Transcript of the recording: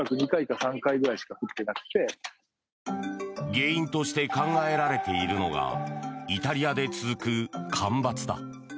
原因として考えられているのがイタリアで続く干ばつだ。